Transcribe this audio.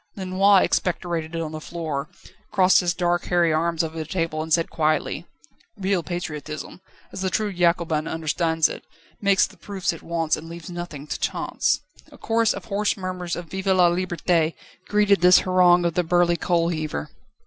Lenoir expectorated on the floor, crossed his dark hairy arms over the table, and said quietly: "Real patriotism, as the true Jacobin understands it, makes the proofs it wants and leaves nothing to chance." A chorus of hoarse murmurs of "Vive la Liberté!" greeted this harangue of the burly coal heaver.